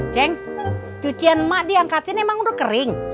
ceng cucian mak diangkatin emang udah kering